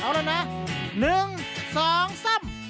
หนึ่งสองสาม